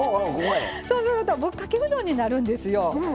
そうするとぶっかけうどんになるんですよ。